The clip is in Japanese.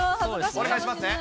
お願いしますね。